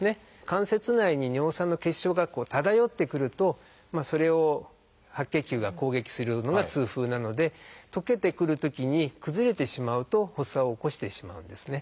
関節内に尿酸の結晶が漂ってくるとそれを白血球が攻撃するのが痛風なので溶けてくるときに崩れてしまうと発作を起こしてしまうんですね。